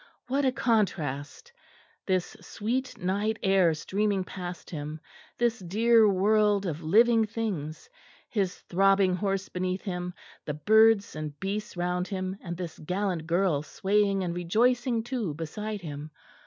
What a contrast, this sweet night air streaming past him, this dear world of living things, his throbbing horse beneath him, the birds and beasts round him, and this gallant girl swaying and rejoicing too beside him!